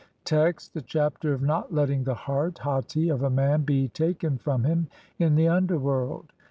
Text : (1) The Chapter of not letting the heart (hati) OF A MAN BE TAKEN FROM HIM IN THE UNDERWORLD.